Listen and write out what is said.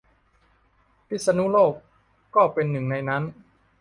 พิษณุโลกก็เป็นหนึ่งในนั้น